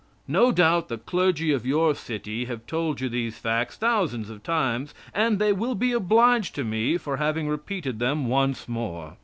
No doubt the clergy of your city have told you these facts thousands of times, and they will be obliged to me for having repeated them once more.